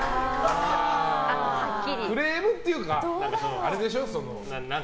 クレームっていうかあれでしょ。